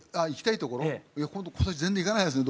いやほんと今年全然行かないですね